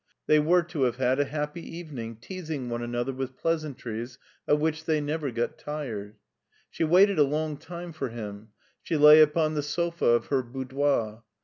They were to have had a happy evening teasing one another with pleasant ries of which they never got tired. She waited a long time for him. She lay upon the sofa of her boudoir.